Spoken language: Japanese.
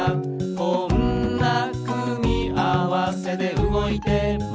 「こんな組み合わせで動いてました」